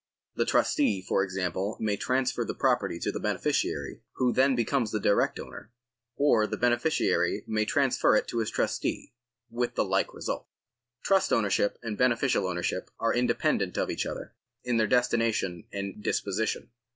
The trustee, for example, may transfer the property to the beneficiary, who then becomes the direct owner ; or the beneficiary may transfer it to his trustee, with the like result. Trust ownership and beneficial ownership are independent of each other in their destination and disposition.